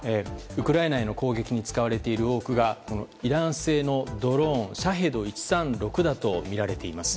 ウクライナへの攻撃に使われている多くがイラン製のドローンシャヘド１３６だとみられています。